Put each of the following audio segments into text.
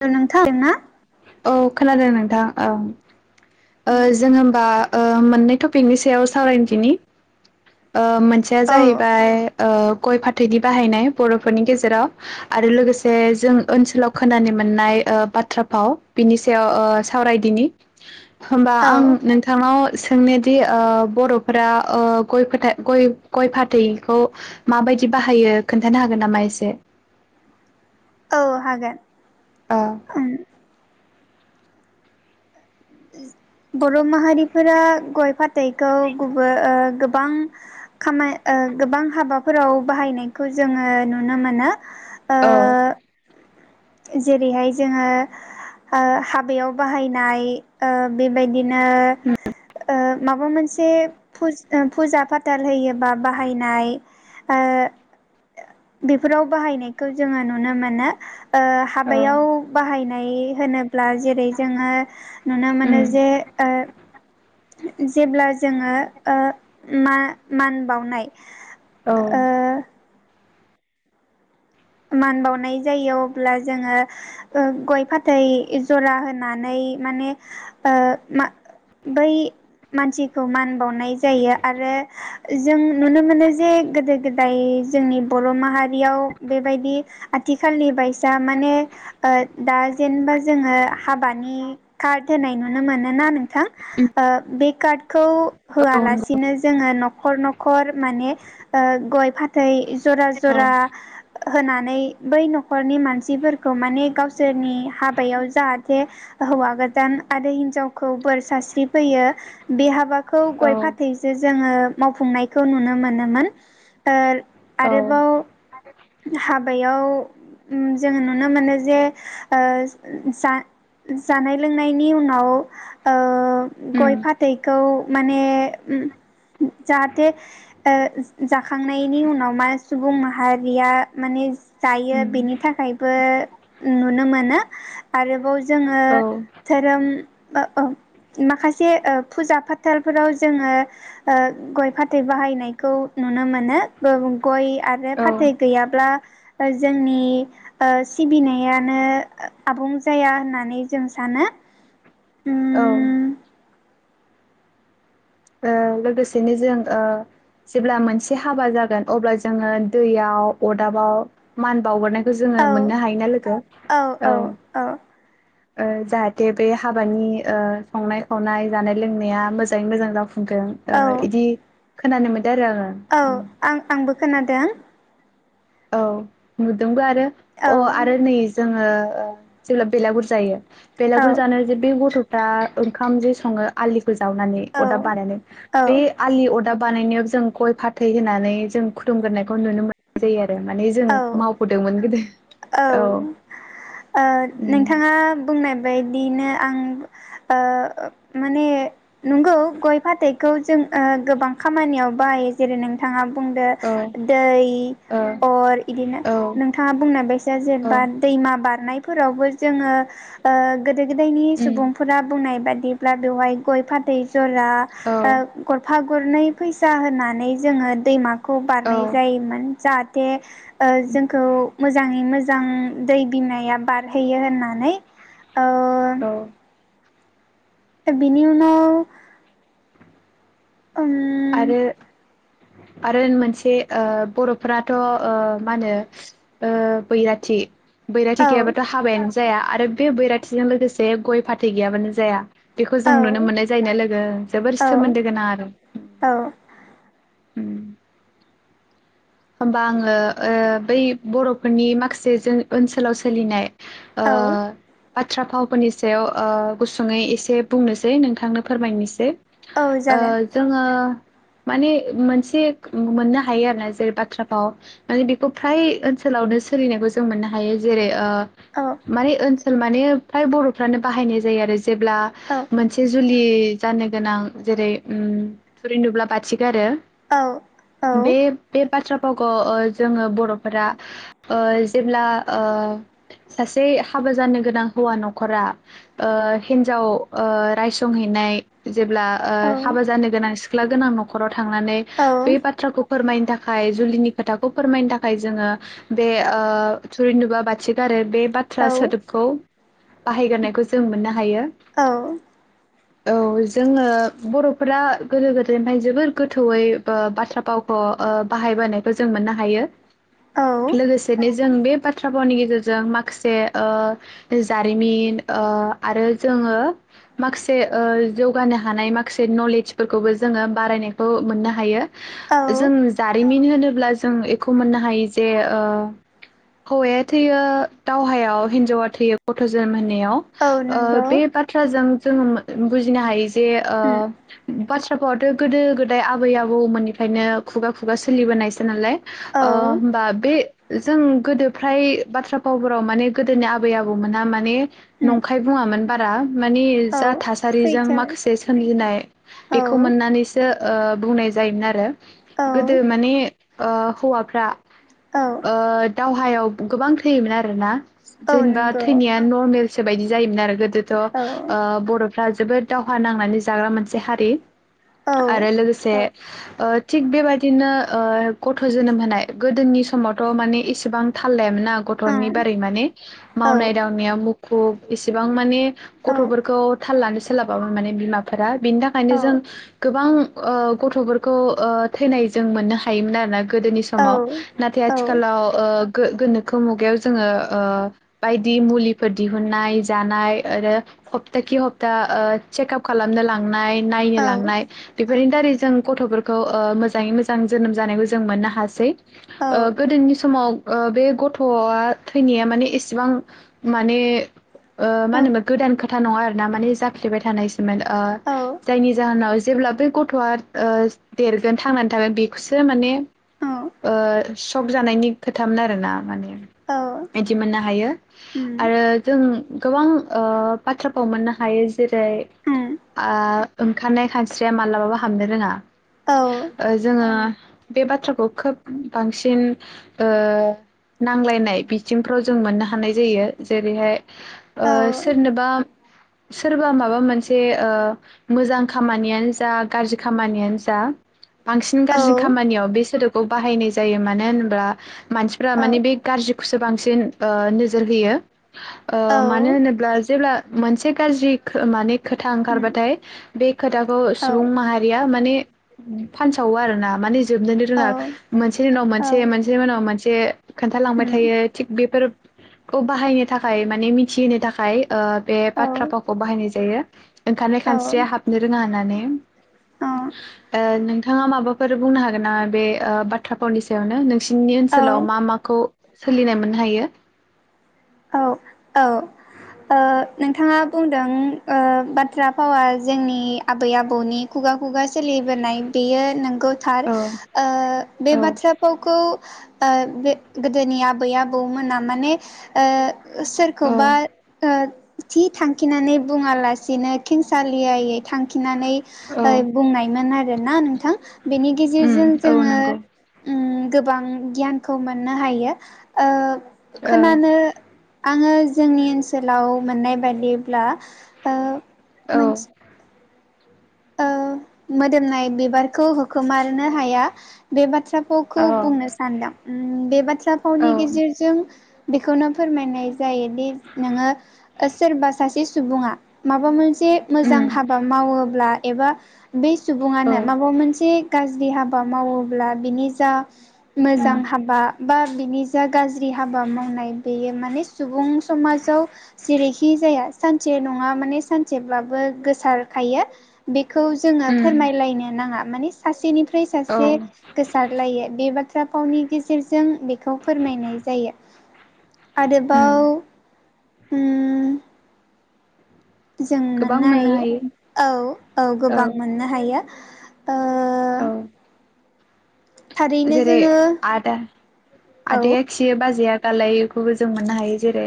[unintelligible] ना औ खोनादों नोंथां ओं ओ जों होमबा ओ मोननै टपिकनि सायाव सावरायनि दिनि ओ मोनसेया औ जाहैबाय ओ गय फाथैनि बाहायनाय बर'फोरनि गेजेराव आरो लोगोसे जों ओनसोलाव खोनानो मोननाय ओ बाथ्रा फाव बिनि सायाव ओ सावरायदिनि होमबा औ आं नोंथांनाव सोंनोदि ओ बर'फोरा ओ गय फोथाइ गय गय फाथैखौ माबायदि बाहायो खोन्थानो हागोन नामा एसे ओ ओं [inaudible] बर' माहारिफोरा गय फाथैखौ गुबो ओ गोबां खामाय ओ गोबां हाबाब फोराव बाहायनायखौ जोङो नुनो मोनो। ओ औ जेरैहाय जोङो ओ हाबायाव बाहायनाय ओ बेबायदि नो ओ माबा मोनसे फुज फुजा फाथाल होयोबा बाहायनाय ओ बेफोराव बाहायनायखौ जोङो नुनो मोनो। ओ औ हाबायाव बाहायनाय होनो ब्ला जेरै जोङो नुनो मोनो उम जे ओ जेब्ला जोङो ओ मा-मान बावनाय। औ। ओ मान बावनाय जायो अब्ला जोङो ओ गय फाथै जरा होनानै माने ओ मा बै मानसिखौ मान बावनाय जायो आरो जों नुनो मोनो जे गोदो गोदाय जोंनि बर' माहारियाव बेबायदि आथिखालनि बायसा माने ओ दा जेनबा जोङो हाबानि कार्ड होनाय नुनो मोनोना नोंथां उम ओ बे कार्डखौ औ होआलासिनो जोङो न'खर न'खर माने ओ गय फाथै जरा नंगौ जरा होनानै बै न'खरनि मानसिफोरखौ माने गावसोरनि हाबायाव जाहाथे हौवा गोदान आरो हिनजावखौ बोर सारस्रि फैयो बे हाबा खौ औ गय फाथैजो जोङो मावफुंनायखौ नुनो मोनोमोन ओ औ आरोबाव हाबायाव उम जोङो नुनो मोनो जे ओ जा-जानाय लोंनायनि उनाव ओ गय उम फाथैखौ माने उम जाहाथे ओ जाखांनायनि उनाव मा सुबुं माहार रिया माने जायो उम बेनि थाखायबो नुनो मोनो आरोबाव जोङो औ धोरोम ओ औ माखासे ओ फुजा फाथालफोराव जोङो ओ गय फाथै बाहायनायखौ नुनो मोनो गोबां गय आरो औ फाथै गैयाब्ला ओ जोंनि ओ सिबिनायानो ओ आबुं जाया होननानै जों सानो। औ। उम ओ लोगोसेनो जों ओ जेब्ला मोनसे हाबा जागोन अब्ला जोङो दैयाव अरदाबाव मान बावगोरनाय जोङो औ मोननो हायोना लोगो औ। ओ जाहाथे बे हाबानि ओ संनाय खावनाय जानाय लोंनाया मोजाङै मोजां जा फुंगोन औ ओ इदि खोनानो मोन औ आं आंबो खोनादों। औ नुदों दा आरो औ अ आरो नै जोंङो औ जेब्ला बेलागुर जायो औ बेलागुरल जानायाव जे बे गथ दा ओंखामजो सङो आलि खौ जावनानै अदाब औ बानायनानै बे आलि अदाब बानायनायाव जों गय फाथै होनानै जों खुलुमग्रोनायखौ नुनो [inaudible] जायो आरो माने जों औ मावबोदोंमोन गोदो औ ओ उम नोथांङा बुंनाय बायदिनो आं ओ माने नंगौ गय फाथैखौ जों ओ गोबां खामानियाव बाहायो जेरै नोंथाङा बुंदो औ दै फोर इदिनो ओ नोंथांङा बुंनाय बायसा औ जेनेबा दैमा बारनायफोरावबो जोंङो ओ गोदो गोदायनि उम सुबुंफोरा बुंनाय बाय दिब्ला बेवहाय गय फाथै जरा औ बा गरफा गरनै फैसा होनानै जोंङो दैमा खौ औ बारनाय जायोमोन। जाहाथ थे ओ जोंखौ मोजाङै मोजा जां दै बिमाया बारहोयो होननानै। औ ओ बिनि उनाव ओम आरो आरो मोनसे ओ बरफोराथ' ओ मा होनो ओ बैराथि बैराथि औ गोयाबाथ हाबायानो जाया आरो बे बैराथिजों लोगोसे गय फाथै गैयाबानो जाया। बेखौ औ जों नुनो मोननाय जायोना लोगो जोबोर औ सोमोन्दो गोनां आरो औ उम होमबा आंङो ओ बै बरफोरनि माखासे जों ओनसोलाव सोलिनाय ओ औ बाथ्रा फावफोरनि सायाव ओ गुसुङै एसे बुंनोसै नोंथांनो फोरमायनोसै औ ओ जागोन जोंङो माने मोनसे मोननो हायो आरोना जेरै बा थ्राफाव माने बेखौ फ्राय ओनसोलावनो सोलिनायखौ जों मोननो हायो। जेरै ओ औ माने ओन सोल माने फ्राय बर'फ्रानो बाहायनाय जायो आरो जेब्ला औ मोनसे जुलि जानो गोनां जेरै ओम थुरिनुब्ला बाथि गारो औ औ बे बे बाथ्रा फावखौ ओ जोङो बर' फोरा ओ जेब्ला ओ सासे हाबा जानो गोनां हौवा न'खरा ओ हिनजाव ओ राइ संहैनाय जेब्ला ओ औ हाबा जानो गोनां सिख्ला गोनां न'खराव थांनानै औ बे बाथ्राखौ फोरमायनो था खाय जुलिनि खोथाखौ फोरमायनो थाखाय जोङो बे ओ थुरिनुबा बाथिग आरो बे बाथ्रा औ सोदोबखौ बाहायगारनायखौ जों मोननो हायो। औ जोङो बर'फोरा गोदो गोदायनिफ्राय जोबोर गोथौयै ओ बाथ्रा फावखौ बाहायबोनायखौ जों मोननो हायो। औ लोगोसेनो जों बे बाथ्रा भावनि गेजेरजों माखासे ओ जारिमिन ओ आरो जोङो माखासे ओ जौगानो हानाय माखासे नलेजफोरखौबो जोङो बारायनायखौ मोननो हायो। औ जों जारिमिन होनोब्ला जों बेखौ मोननो हायो जे ओ हौवाया थैयो दावहायाव हिनजावा थैयो गथ' जोनोम होनायाव औ ओ नंगौ बे बाथ्राजों जोङो बुजिनो हायो जे उम ओ बाथ्रा भाव आथ' गोदो गोदाय आबै आबौमोननिफ्रायनो खु खुगा सोलिबोनायसै नालाय औ ओ होमबा बे जों गोदो फ्राय बाथ्रा फावफोराव माने गोदोनि आबै आबौमोनहा मा ने उम नंखाय बुङामोन बारा। माने औ जा थासारिजों सैथो माखासे सोमजिनाय औ बेखौ मोननानैसो ओ बुंनाय जायोमोन आरो। औ गोदो माने अ हौवाफ्रा औ ओ दाव हायाव गोबां थैयोमोन आरोना। औ जेनेबा नंगौ थैनायया नर्मेल सोबायदि जायोमोन आरो गोदो थ' औ ओ बर'फोरा जोबोद दावहा नां नानै जाग्रा मोनसे हारि। औ आरो लोगोसे औ ओ थिग बेबादि दिनो ओ गथ' जोनोम होनाय गोदोनि समावथ' माने इसेबां थाल लायामोन ना गथ'नि ओं बारै माने मावनाय दांनायाव मु खुब इसेबां माने औ गथ'फोरखौ थाल लानो सोलाबामोन माने बिमाफोरा बिनि थाखायनो जों औ गोबां ओ गथ'फोर खौ ओ थैनाय जों मोननो हायोमोन आरोना गोदोनि औ समाव नाथाय औ आथिखालाव ओ गो गोनोखो मुगायाव जोङो ओ बायदि मुलिफोर दिहुनन्नाय जानाय आरो हप्तााखि हप्ता ओ चेकआप खालामनो लांनाय नायनो लांनाय बेफोर थारै जों गथ'फोरखौ ओ मोजाङै मो जां जोनोम जानायखौ जों मोननो हासै। ओ गोदोनि समाव ओ बे गथ'आ थैनाया माने एसेबां माने ओ औ माहोनोमोन गोदान खोथा नङा आरो ना माने जाफ्लेबाय थानायसोमोन ओ औ जायनि जाहोनाव जेब्ला बे गथ'आ ओ देरगोन थांनानै थागोन बेखौसो माने औ ओ सक जानायनि खोथामोन आरोना माने। औ बिदि मोननो हायो उम आरो जों गोबां ओ बाथ्राफाव मोननो हायो जेरै उम आ ओंखारनाय खानस्रिया मालाबाबो हाबनो रोङा। औ जोङो बे बाथ्राखौ खोब बांसिन ओ नांलायनाय बिथिंफ्राव जों मोननो हानाय जायो जेरैहाय औ ओ सोरनोबा सोरबा माबा मोनसे ओ मोजां खामानियानो जा गाज्रि खामानियानो जा बांसिन औ गाज्रि खामानियाव बे सोदोबखौ बाहायनाय जायो मानो होनोब्ला मानसिफोरा औ माने बे गाज्रिखौसो बां बांसिन ओ नोजोर होयो ओ औ मानो होनोब्ला जेब्ला मोनसे गाज्रि माने खोथा उम ओंखारबाथाय बे खोथाखौ औ सुबुं माहारिया माने फानसावो आरो ना माने जोबनोनो औ रोङा मोनसेनि उनाव मोनसे मोनसेनि उनाव मोनसे खोन्थालांबाय उम थायो थिग बेफोरखौ बाहायनो थाखाय माने मिन थिहोनो थाखाय ओ बे औ बाथ्रा फावखौ बाहायनाय जायो ओंखारनाय औ खानस्रिया हाबनो रोङा होननानै ओ नों थाङा माबा फोर बुंनो हागोन नामा बे ओ बा थ्रा फावनि सायावनो नोंसिनि ओनसोलाव मा मा माखौ सोलिनाय मोननो हायो? औ औ ओ नोंथाङा बुंदों ओ बाथ्रा फावा जोंनि आबै आबौनि खुगा खुगा सोलिबोनाय बेयो नों गौ थार औ ओ बे औ बाथ्रा फावखौ ओ बे गोदोनि आबै आबौमोना माने ओ औ सोरखौबा ओ थि थांखिनानै बुङा लासिनो खेंसालियै थांखि नानै औ ओ बुंनायमोन आरोना नोंथां बेनि उम गेजेरजों औ जोङो नंगौ ओम गोबां गियानखौ मोन्नो हायो ओ। औ खोनानो। आङो जोंनि ओनसोलाव मोननाय बायदिब्ला ओ। औ। मोनसे ओ मोदोमनाय बिबारख होखोमारनो हाया बे बाथ्रा। खौ खो औ बुंनो सानदां। ओम बेबा औ दाफावनि गेजेरजों। बेखौनो फोरमायनाय जायोदि नोङो ओ सोरबा सासे सुबुङा माबा मोन्स। से मोजां उम हाबा मावोब्ला। एबा। बे औ सुबुङानो माबा मोनसे। गाज्रि हाबा मावोब्ला बिनि जा। उम मोजां हाबा। बा बिनि जा गाज्रि हाबा मावनाय बेयो माने सुबुं समाजाव जेरैखि जाया सानसे नङा माने सानसेब्लाबो गोसारखायो। खौ जोङा उम फोरमायलायनो नाङा। माने सासेनि। फ्राय औ सासे गोसारलायो बे बाथ्रा। [unintelligible] फावनि गेजेरजों बे खौ फोरमायनाय जायो उम आरोबाव। उम। जों मोननो हायो औ औ गोबां मोननो हायो। ओ औ थारैनो जेरै जोङो आदा औ आदाया खियो बाजैया। गालायो खौबो जों मोननो हायो जेरै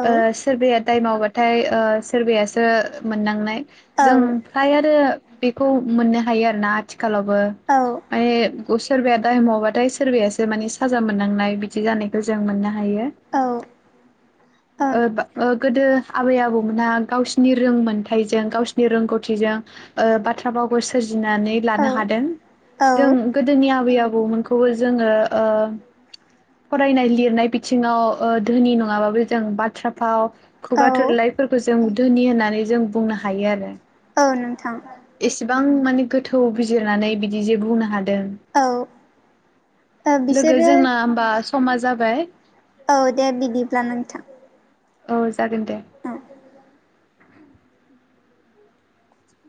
औ सोरबाया दाय माव थाय ओ सोरबायासो मोननांनाय। औ जों फ्राय आरो। बेखौ मोननो हायो आरोना आथिख। खालावबो औ [unintelligible] ओ सोरबेथ। दाय मावबाथाय सोरबासो मानि साजा मोननांनाय बिदि जानायखौ जों मोन हायो औ ओ गो-गोदो। आबै आबौमोनहा गावसिनि रोंमोनथाइजों गावसिनि रोंगौथिजों ओ बाथ्रा भावबो सोर [unintelligible] औ लानोहादों औ जों गोदोनि आबै आबौ आबौमोनखौबो जोङो ओ फरायनाय लिरनाय बिथिङाव ओ धोनि नङाबाबो जों बाथ्रा फाव औ खुगा थोरलाइफोरखौ जों धोनि होननानै जों बुंनो हायो आरो औ नोंथां एसेबां माने गोथौ बिजिरनानै बिदि जे बुंनो हादों औ लोगो बिसोरो जोंना होमबा समा जाबाय औ दे बिदिब्ला नोंथां औ जागोन दे औ